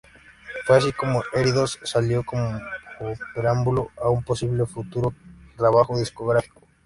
Fue así como Heridos salió como preámbulo a un posible futuro trabajo discográfico.